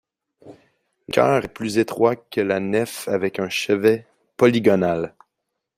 Le chœur est plus étroit que la nef avec un chevet polygonal.